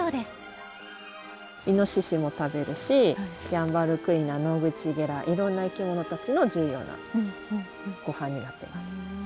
イノシシも食べるしヤンバルクイナノグチゲラいろんな生き物たちの重要なごはんになってます。